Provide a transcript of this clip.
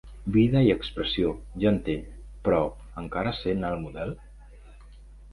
-Vida i expressió, ja en té; però encara sent el model…